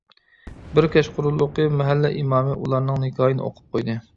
بىر كەچقۇرۇنلۇقى مەھەللە ئىمامى ئۇلارنىڭ نىكاھىنى ئوقۇپ قويدى.